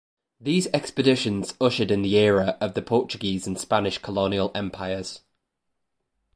These expeditions ushered in the era of the Portuguese and Spanish colonial empires.